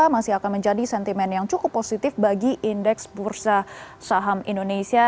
masih akan menjadi sentimen yang cukup positif bagi indeks bursa saham indonesia